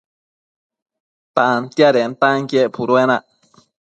Tantiadentanquien puduenac